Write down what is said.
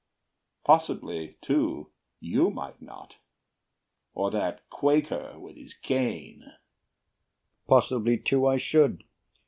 Possibly, too, You might not or that Quaker with his cane. BURR Possibly, too, I should.